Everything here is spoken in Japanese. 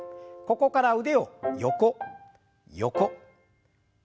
ここから腕を横横前前。